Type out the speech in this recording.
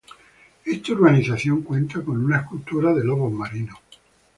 Esta urbanización cuenta con una escultura de lobos marinos.